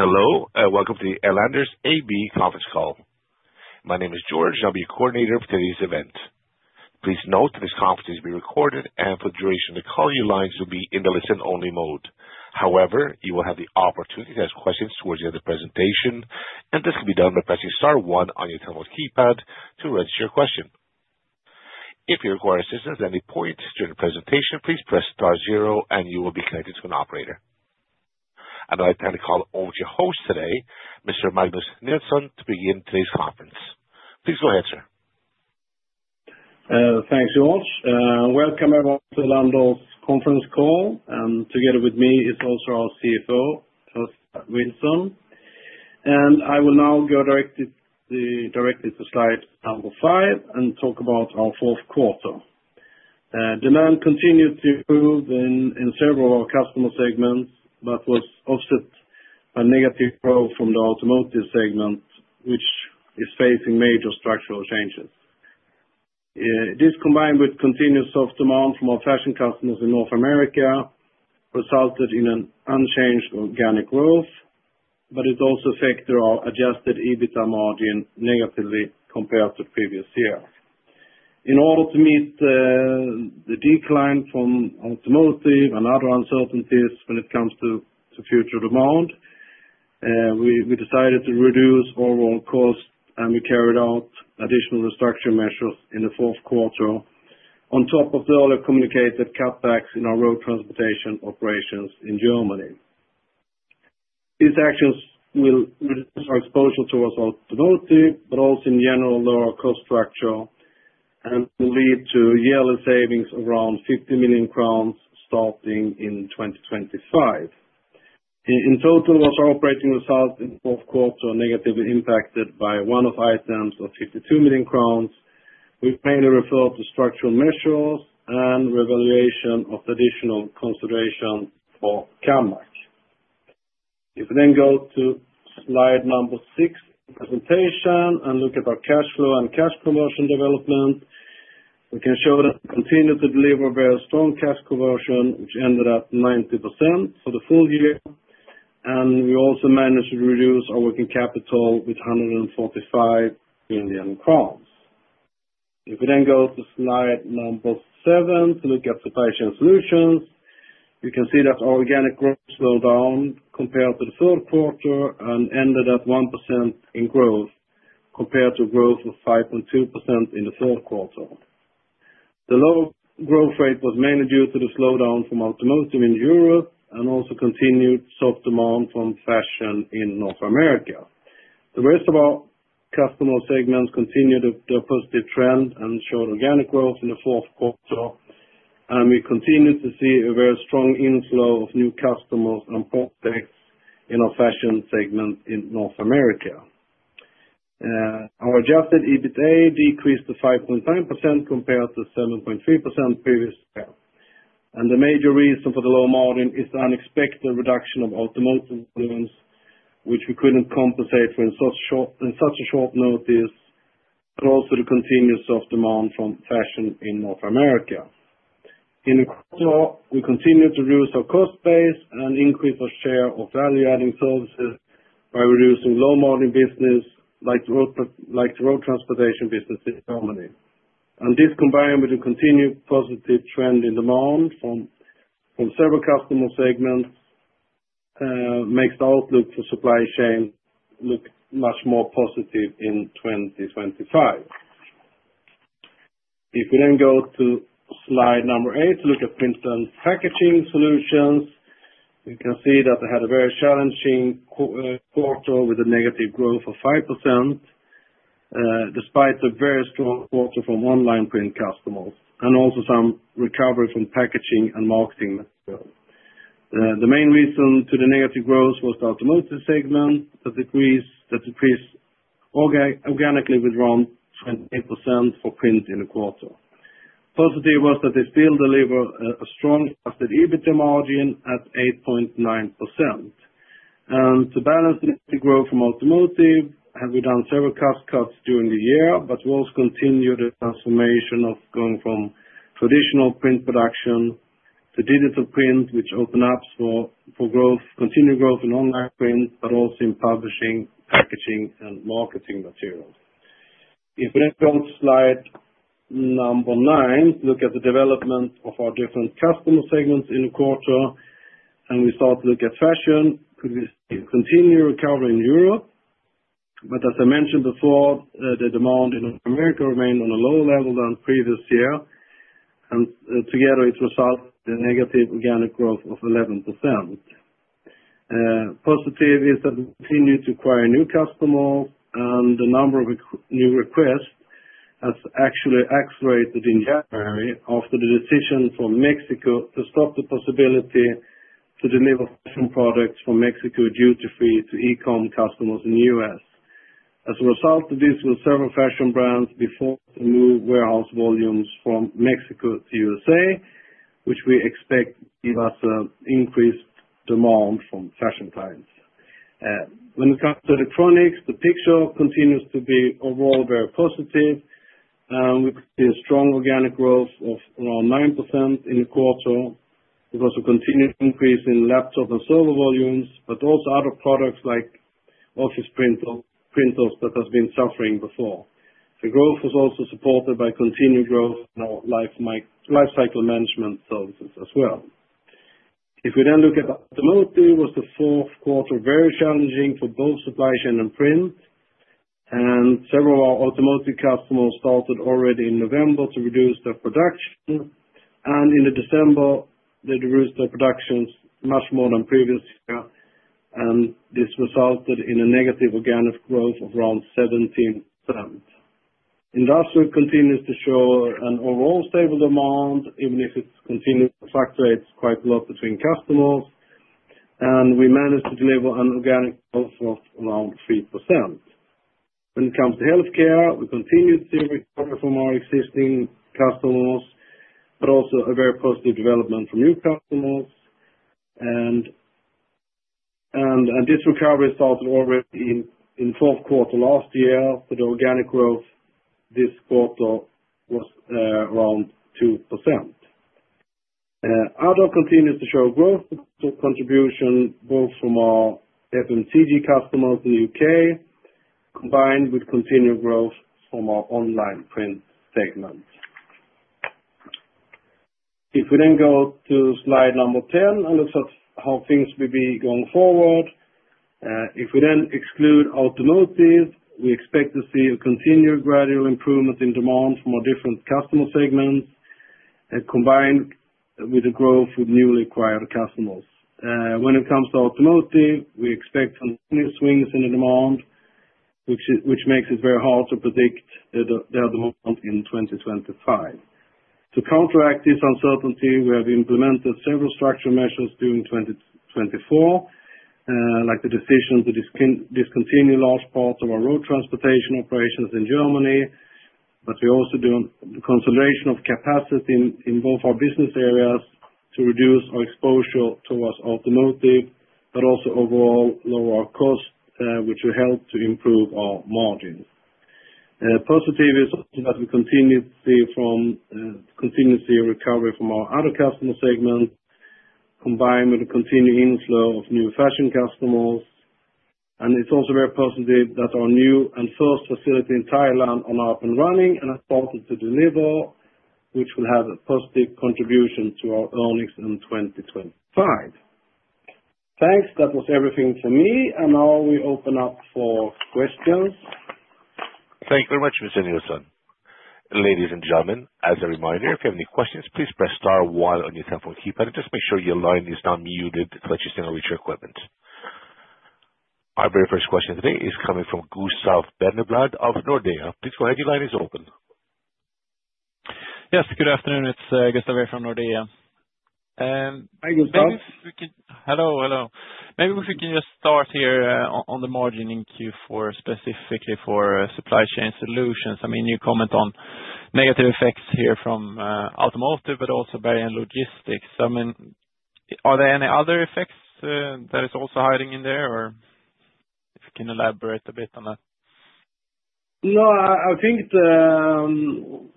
Hello, and welcome to the Elanders AB conference call. My name is George, and I'll be your coordinator for today's event. Please note that this conference is being recorded, and for the duration of the call, your lines will be in the listen-only mode. However, you will have the opportunity to ask questions towards the end of the presentation, and this can be done by pressing star one on your telephone keypad to register your question. If you require assistance at any point during the presentation, please press star zero, and you will be connected to an operator. I'd like to turn the call over to your host today, Mr. Magnus Nilsson, to begin today's conference. Please go ahead, sir. Thanks so much. Welcome everyone to Elanders' conference call. And together with me is also our CFO, Åsa Vilsson. And I will now go directly to slide number five and talk about our fourth quarter. Demand continued to improve in several of our customer segments, but was offset by negative growth from the automotive segment, which is facing major structural changes. This, combined with continued soft demand from our fashion customers in North America, resulted in an unchanged organic growth, but it also affected our adjusted EBITDA margin negatively compared to the previous year. In order to meet the decline from automotive and other uncertainties when it comes to future demand, we decided to reduce overall costs, and we carried out additional restructuring measures in the fourth quarter on top of the earlier communicated cutbacks in our road transportation operations in Germany. These actions will reduce our exposure to automotive, but also in general, lower cost structure, and will lead to yearly savings of around 50 million crowns starting in 2025. In total, our operating result in the fourth quarter was negatively impacted by one-off items of 52 million crowns. We mainly referred to structural measures and revaluation of additional consideration for Kammac. If we then go to slide number six of the presentation and look at our cash flow and cash conversion development, we can show that we continued to deliver very strong cash conversion, which ended at 90% for the full year, and we also managed to reduce our working capital with 145 million crowns. If we then go to slide number seven to look at the fashion solutions, you can see that our organic growth slowed down compared to the third quarter and ended at 1% in growth compared to a growth of 5.2% in the fourth quarter. The low growth rate was mainly due to the slowdown from automotive in Europe and also continued soft demand from fashion in North America. The rest of our customer segments continued their positive trend and showed organic growth in the fourth quarter, and we continued to see a very strong inflow of new customers and prospects in our fashion segment in North America. Our Adjusted EBITDA decreased to 5.9% compared to 7.3% previous year. The major reason for the low margin is the unexpected reduction of automotive volumes, which we couldn't compensate for in such a short notice, but also the continued soft demand from fashion in North America. In the quarter, we continued to reduce our cost base and increase our share of value-adding services by reducing low-margin business like the road transportation business in Germany. This, combined with the continued positive trend in demand from several customer segments, makes the outlook for supply chain look much more positive in 2025. If we then go to slide number eight to look at print and packaging solutions, you can see that they had a very challenging quarter with a negative growth of 5% despite a very strong quarter from online print customers and also some recovery from packaging and marketing material. The main reason for the negative growth was the automotive segment that decreased organically with around 28% for print in the quarter. Positive was that they still deliver a strong EBITDA margin at 8.9%, and to balance the negative growth from automotive, we've done several cost cuts during the year, but we also continued the transformation of going from traditional print production to digital print, which opened up for continued growth in online print, but also in publishing, packaging, and marketing materials. If we then go to slide number nine to look at the development of our different customer segments in the quarter, and we start to look at fashion, we continue recovery in Europe, but as I mentioned before, the demand in North America remained on a lower level than previous year, and together it resulted in a negative organic growth of 11%. Positive is that we continued to acquire new customers, and the number of new requests has actually accelerated in January after the decision from Mexico to stop the possibility to deliver fashion products from Mexico duty-free to e-com customers in the U.S. As a result of this, several fashion brands were forced to move warehouse volumes from Mexico to the USA., which we expect will give us an increased demand from fashion clients. When it comes to electronics, the picture continues to be overall very positive, and we could see a strong organic growth of around 9% in the quarter. There was a continued increase in laptop and server volumes, but also other products like office printers that have been suffering before. The growth was also supported by continued growth in our lifecycle management services as well. If we then look at automotive, the fourth quarter was very challenging for both supply chain and print, and several of our automotive customers started already in November to reduce their production. And in December, they reduced their productions much more than previous year, and this resulted in a negative organic growth of around 17%. Industrial continues to show an overall stable demand, even if it continues to fluctuate quite a lot between customers, and we managed to deliver an organic growth of around 3%. When it comes to healthcare, we continued to see recovery from our existing customers, but also a very positive development from new customers. And this recovery started already in the fourth quarter last year, so the organic growth this quarter was around 2%. Other continues to show growth, but also contribution both from our FMCG customers in the U.K., combined with continued growth from our online print segment. If we then go to slide number 10 and look at how things will be going forward, if we then exclude automotive, we expect to see a continued gradual improvement in demand from our different customer segments, combined with the growth of newly acquired customers. When it comes to automotive, we expect continued swings in the demand, which makes it very hard to predict their demand in 2025. To counteract this uncertainty, we have implemented several structural measures during 2024, like the decision to discontinue large parts of our road transportation operations in Germany, but we also do a consolidation of capacity in both our business areas to reduce our exposure towards automotive, but also overall lower our costs, which will help to improve our margins. Positive is also that we continue to see a recovery from our other customer segments, combined with the continued inflow of new fashion customers. And it's also very positive that our new and first facility in Thailand is up and running and started to deliver, which will have a positive contribution to our earnings in 2025. Thanks. That was everything for me, and now we open up for questions. Thank you very much, Mr. Nilsson. Ladies and gentlemen, as a reminder, if you have any questions, please press star one on your telephone keypad and just make sure your line is now muted to let you stay in a reach of equipment. Our very first question today is coming from Gustav Berneblad of Nordea. Please go ahead. Your line is open. Yes, good afternoon. It's Gustav here from Nordea. Hi, Gustav. Hello, hello. Maybe if we can just start here on the margins in Q4, specifically for Supply Chain Solutions. I mean, you comment on negative effects here from automotive, but also Bergen Logistics. I mean, are there any other effects that are also hiding in there, or if you can elaborate a bit on that? No, I think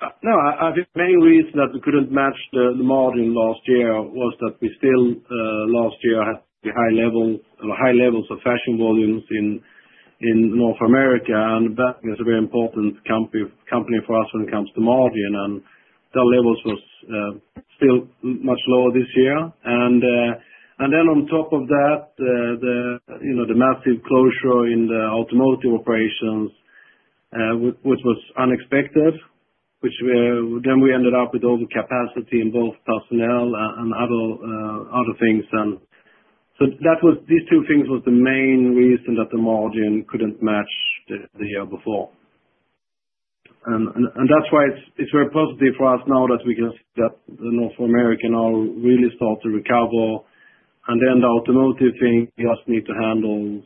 the main reason that we couldn't match the margin last year was that we still, last year, had the high levels of fashion volumes in North America, and that is a very important company for us when it comes to margin, and that level was still much lower this year. And then on top of that, the massive closure in the automotive operations, which was unexpected, which then we ended up with overcapacity in both personnel and other things. And so these two things were the main reason that the margin couldn't match the year before. And that's why it's very positive for us now that we can see that North America now really starts to recover, and then the automotive thing we just need to handle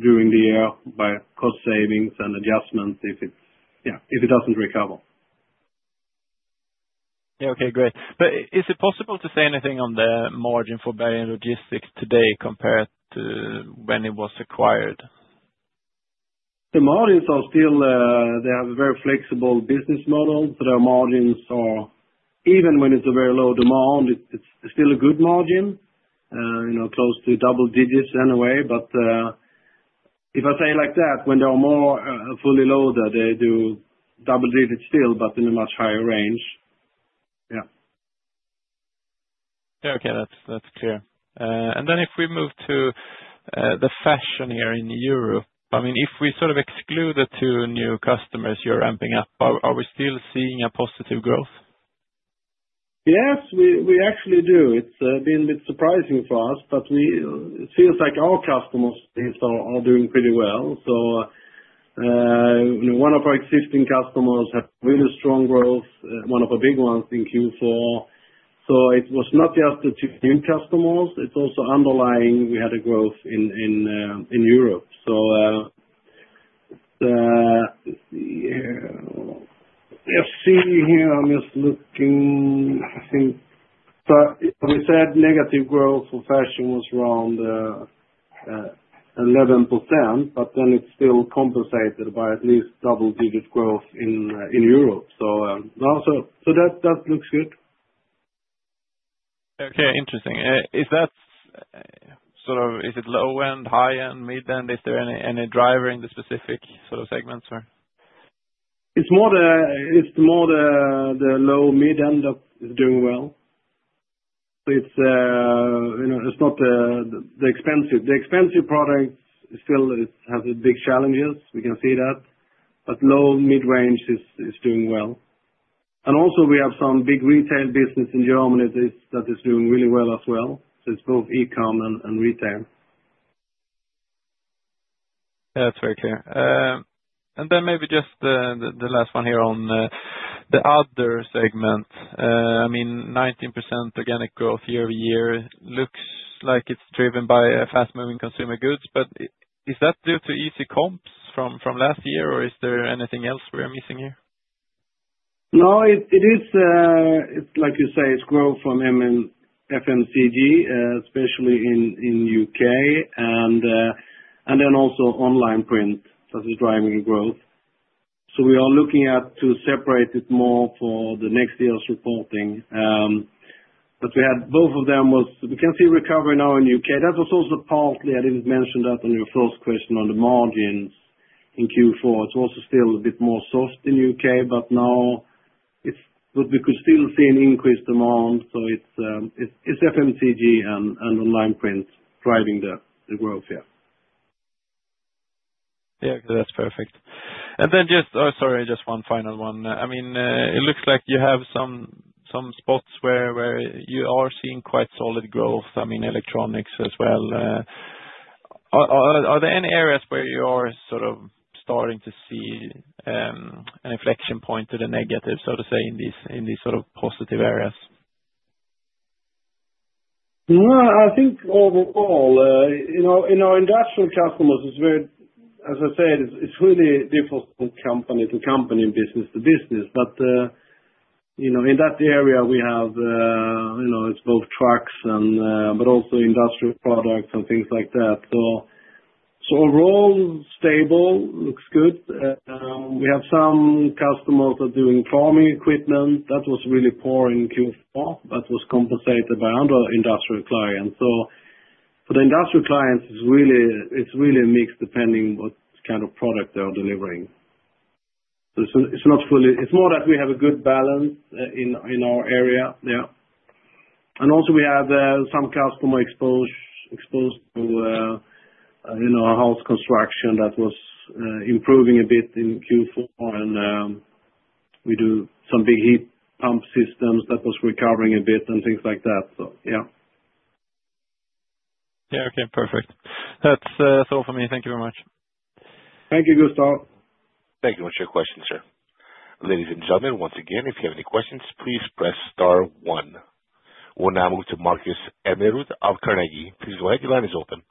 during the year by cost savings and adjustments if it doesn't recover. Yeah, okay, great, but is it possible to say anything on the margin for Bergen logistics today compared to when it was acquired? The margins are still. They have a very flexible business model, so their margins are, even when it's a very low demand, it's still a good margin, close to double digits anyway. But if I say it like that, when they are more fully loaded, they do double digits still, but in a much higher range. Yeah. Yeah, okay, that's clear. And then if we move to the fashion here in Europe, I mean, if we sort of exclude the two new customers you're ramping up, are we still seeing a positive growth? Yes, we actually do. It's been a bit surprising for us, but it feels like our customers are doing pretty well. So one of our existing customers had really strong growth, one of our big ones in Q4. So it was not just the two new customers, it's also underlying we had a growth in Europe. So let's see here. Let's see here. I'm just looking. I think we said negative growth for fashion was around 11%, but then it's still compensated by at least double digit growth in Europe. So that looks good. Okay, interesting. Is that sort of, is it low-end, high-end, mid-end? Is there any driver in the specific sort of segments, or? It's more the low, mid-end that is doing well. It's not the expensive. The expensive product still has big challenges. We can see that, but low, mid-range is doing well, and also we have some big retail business in Germany that is doing really well as well, so it's both e-com and retail. That's very clear. And then maybe just the last one here on the other segment. I mean, 19% organic growth year-over-year looks like it's driven by fast-moving consumer goods, but is that due to easy comps from last year, or is there anything else we are missing here? No, it is, like you say, it's growth from FMCG, especially in the U.K., and then also online print that is driving the growth, so we are looking at to separate it more for the next year's reporting, but we had both of them was, we can see recovery now in the U.K. That was also partly, I didn't mention that on your first question on the margins in Q4. It's also still a bit more soft in the U.K., but now we could still see an increased demand, so it's FMCG and online print driving the growth here. Yeah, that's perfect. And then just, oh, sorry, just one final one. I mean, it looks like you have some spots where you are seeing quite solid growth. I mean, electronics as well. Are there any areas where you are sort of starting to see an inflection point to the negative, so to say, in these sort of positive areas? No, I think overall, in our industrial customers, it's very, as I said, it's really different from company to company and business to business, but in that area, we have, it's both trucks and, but also industrial products and things like that, so overall, stable, looks good. We have some customers that are doing plumbing equipment. That was really poor in Q4, but was compensated by other industrial clients, so for the industrial clients, it's really a mix depending on what kind of product they are delivering, so it's not fully, it's more that we have a good balance in our area. Yeah, and also we have some customers exposed to house construction that was improving a bit in Q4, and we do some big heat pump systems that was recovering a bit and things like that, so yeah. Yeah, okay, perfect. That's all for me. Thank you very much. Thank you, Gustav. Thank you much for your questions, sir. Ladies and gentlemen, once again, if you have any questions, please press star one. We'll now move to Marcus Almerud of Carnegie. Please go ahead. Your line is open.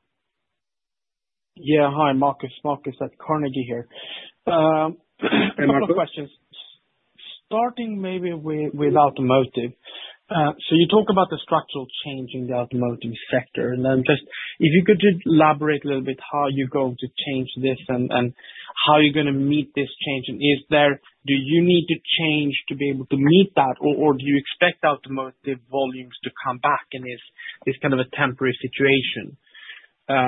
Yeah, hi, Magnus. Marcus at Carnegie here. A couple of questions. Starting maybe with automotive, so you talk about the structural change in the automotive sector, and then just if you could just elaborate a little bit how you're going to change this and how you're going to meet this change, and do you need to change to be able to meet that, or do you expect automotive volumes to come back in this kind of a temporary situation?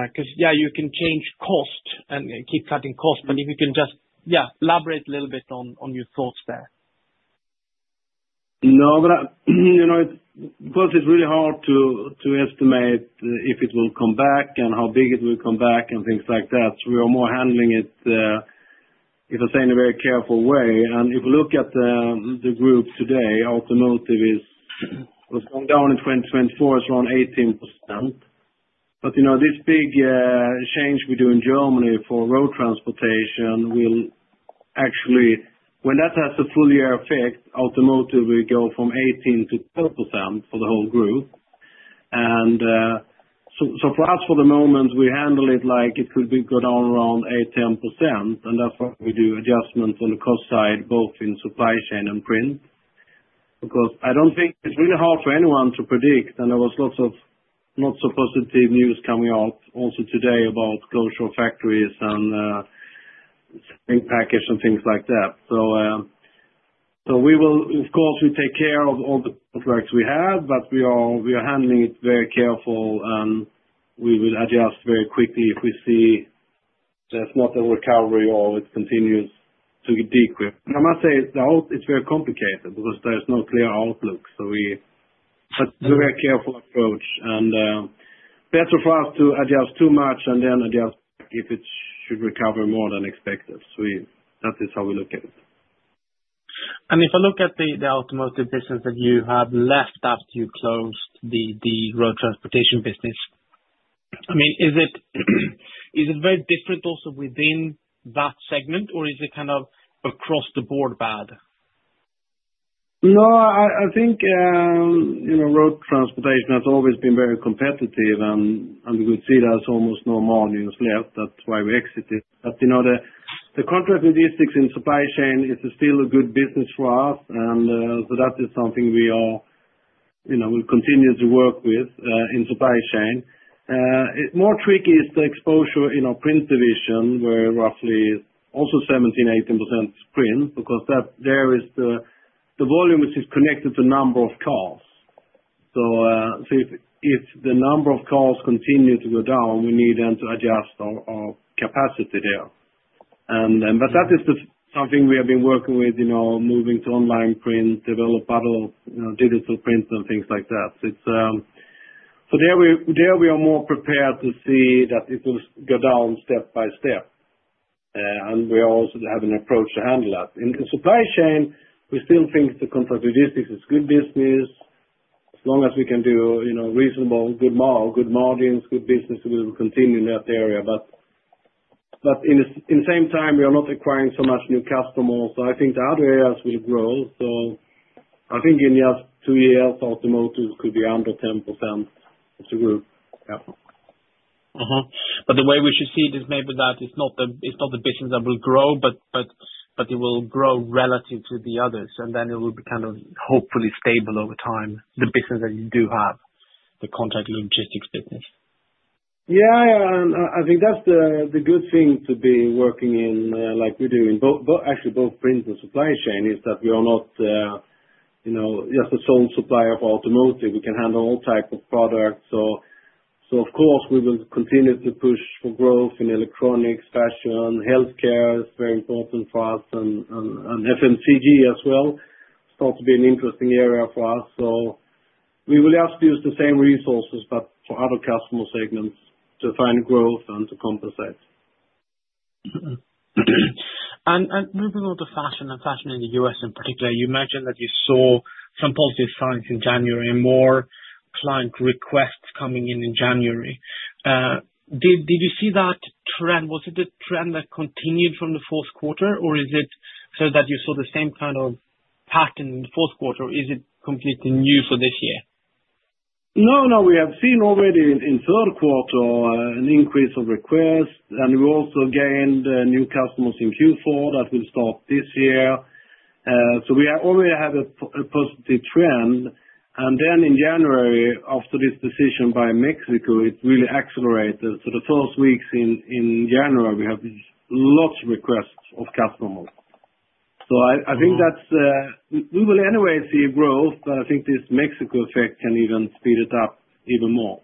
Because, yeah, you can change cost and keep cutting cost, but if you can just, yeah, elaborate a little bit on your thoughts there. No, but of course, it's really hard to estimate if it will come back and how big it will come back and things like that. So we are more handling it, if I say, in a very careful way. And if we look at the group today, automotive is, it was going down in 2024, it's around 18%. But this big change we do in Germany for road transportation will actually, when that has a full year effect, automotive will go from 18%-12% for the whole group. And so for us, for the moment, we handle it like it could go down around 8%-10%, and that's why we do adjustments on the cost side, both in supply chain and print. Because I don't think it's really hard for anyone to predict, and there was lots of not so positive news coming out also today about closure of factories and spring package and things like that. So, of course, we take care of all the contracts we have, but we are handling it very careful, and we will adjust very quickly if we see there's not a recovery or it continues to deteriorate. And I must say, it's very complicated because there's no clear outlook. So we have a very careful approach, and better for us to adjust too much and then adjust back if it should recover more than expected. So that is how we look at it. If I look at the automotive business that you have left after you closed the road transportation business, I mean, is it very different also within that segment, or is it kind of across the board bad? No, I think road transportation has always been very competitive, and we would see that as almost no more news left. That's why we exited. But the contract logistics in supply chain is still a good business for us, and so that is something we will continue to work with in supply chain. More tricky is the exposure in our print division, where roughly also 17%-18% is print, because there is the volume which is connected to number of cars. So if the number of cars continue to go down, we need them to adjust our capacity there. But that is something we have been working with, moving to online print, develop other digital prints and things like that. So there we are more prepared to see that it will go down step by step, and we also have an approach to handle that. In supply chain, we still think the contract logistics is good business. As long as we can do reasonable, good margins, good business, we will continue in that area. But in the same time, we are not acquiring so much new customers, so I think the other areas will grow. So I think in just two years, automotive could be under 10% of the group. Yeah. But the way we should see it is maybe that it's not the business that will grow, but it will grow relative to the others, and then it will be kind of hopefully stable over time, the business that you do have, the contract logistics business. Yeah, yeah. And I think that's the good thing to be working in, like we're doing, actually both print and supply chain, is that we are not just a sole supplier for automotive. We can handle all types of products. So of course, we will continue to push for growth in electronics, fashion, healthcare is very important for us, and FMCG as well starts to be an interesting area for us. So we will just use the same resources, but for other customer segments to find growth and to compensate. And moving on to fashion and fashion in the U.S. in particular, you mentioned that you saw some positive signs in January, more client requests coming in in January. Did you see that trend? Was it a trend that continued from the fourth quarter, or is it so that you saw the same kind of pattern in the fourth quarter? Is it completely new for this year? No, no. We have seen already in third quarter an increase of requests, and we also gained new customers in Q4 that will start this year. So we already have a positive trend, and then in January, after this decision by Mexico, it really accelerated. So the first weeks in January, we have lots of requests of customers. So I think that we will anyway see growth, but I think this Mexico effect can even speed it up even more.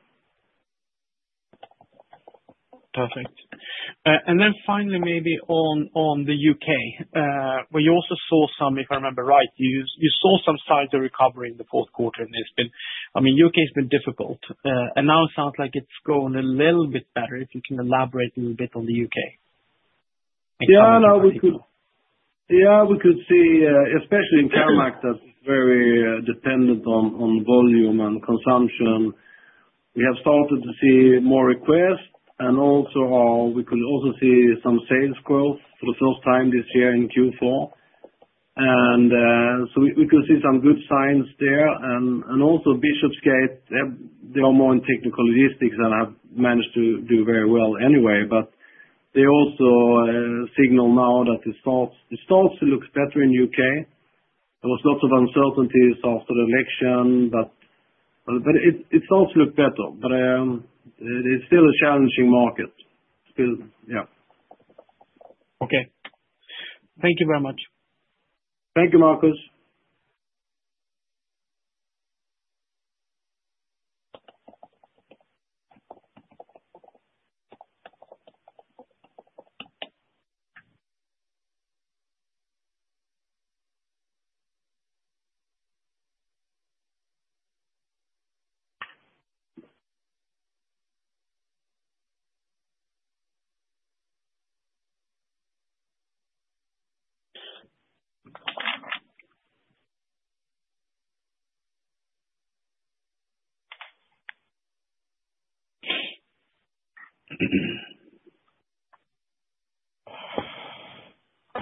Perfect, and then finally, maybe on the U.K., where you also saw some, if I remember right, you saw some signs of recovery in the fourth quarter, and it's been, I mean, U.K. has been difficult, and now it sounds like it's going a little bit better. If you can elaborate a little bit on the U.K.? Yeah, no, we could see, especially in Kammac, that's very dependent on volume and consumption. We have started to see more requests, and also we could also see some sales growth for the first time this year in Q4. And so we could see some good signs there. And also Bishopsgate, they are more in technical logistics and have managed to do very well anyway. But they also signal now that it starts to look better in the U.K. There was lots of uncertainties after the election, but it starts to look better. But it's still a challenging market. Yeah. Okay. Thank you very much. Thank you, Marcus.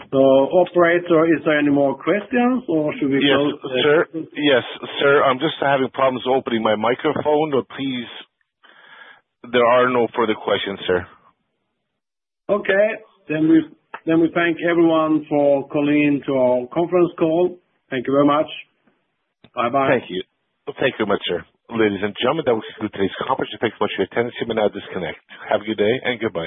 So operator, is there any more questions, or should we close the session? Yes, sir. I'm just having problems opening my microphone, but please, there are no further questions, sir. Okay. Then we thank everyone for calling into our conference call. Thank you very much. Bye-bye. Thank you. Thank you very much, sir. Ladies and gentlemen, that concludes today's conference. I thank you for your attendance. You may now disconnect. Have a good day and goodbye.